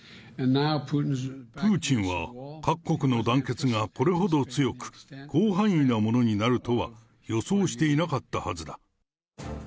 プーチンは、各国の団結がこれほど強く、広範囲なものになるとは予想していなかったはずだ。